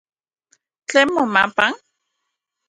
¿Tlen momapa?